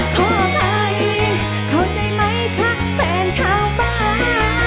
ขอบใจขอบใจไหมคะแฟนชาวบ้าน